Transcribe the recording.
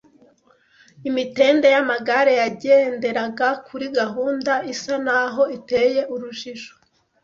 Imitende y’amagare yagenderaga kuri gahunda isa n’aho iteye urujijo